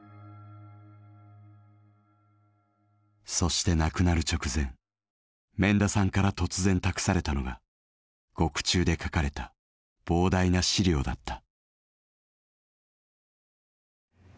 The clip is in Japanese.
そして亡くなる直前免田さんから突然託されたのが獄中で書かれた膨大な資料だった。